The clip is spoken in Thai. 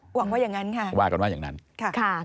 หวังว่าอย่างนั้นค่ะว่ากันว่าอย่างนั้นค่ะ